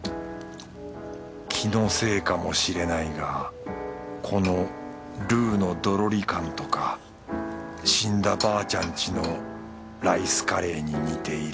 気のせいかもしれないがこのルーのドロリ感とか死んだばあちゃんちのライスカレーに似ている